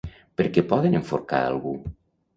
Per què poden enforcar algú?